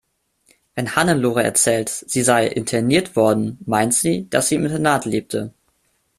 Wenn Hannelore erzählt, sie sei interniert worden, meint sie, dass sie im Internat lebte.